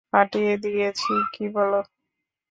ফাটিয়ে দিয়েছি, কী বলো?